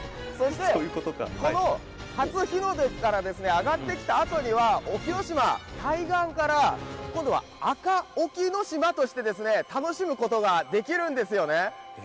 この初日の出から上がってきたあとには沖ノ島、海岸から今度は赤沖ノ島として楽しむことができるんですよね。